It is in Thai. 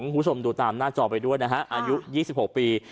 คุณผู้ชมดูตามหน้าจอไปด้วยนะฮะอายุ๒๖ปี